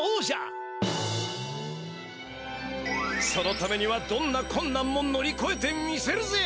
そのためにはどんなこんなんも乗りこえてみせるぜ！